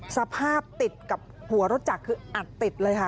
สภาพติดกับหัวรถจักรคืออัดติดเลยค่ะ